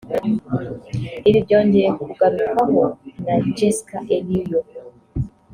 Ibi byongeye kugarukwaho na Jesca Eriyo